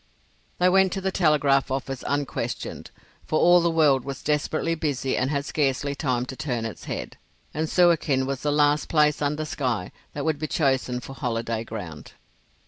They went to the telegraph office unquestioned, for all the world was desperately busy and had scarcely time to turn its head, and Suakin was the last place under sky that would be chosen for holiday ground.